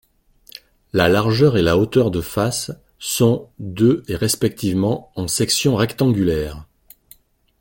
La largeur et la hauteur de face, sont de et respectivement, en section rectangulaire.